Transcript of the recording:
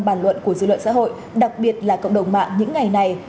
tâm bàn luận của dự luận xã hội đặc biệt là cộng đồng mạng những ngày này